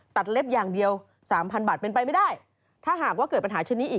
ตัดเล็บอย่างเดียว๓๐๐๐บาทเป็นไปไม่ได้ถ้าหากว่าเกิดปัญหาชนิดนี้อีก